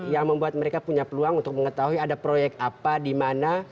yang membuat mereka punya peluang untuk mengetahui ada proyek apa di mana